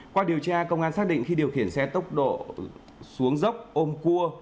qua điều tra công an xác định khi điều khiển xe tốc độ xuống dốc ôm cua